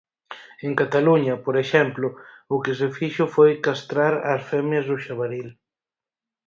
En Cataluña, por exemplo, o que se fixo foi castrar as femias do xabaril.